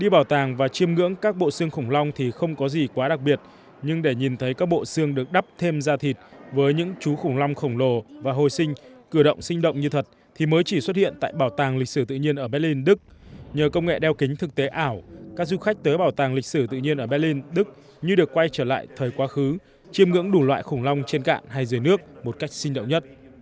bảo tàng lịch sử tự nhiên tại đức đã giúp các du khách trải nghiệm cảm giác của thời tiền sinh